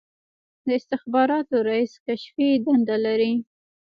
د استخباراتو رییس کشفي دنده لري